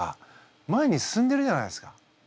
前に進んでるじゃないですか。